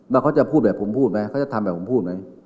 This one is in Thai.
ว่าเขาจะพูดแบบผมพูดไหมเขาจะทำแบบผมพูดไหม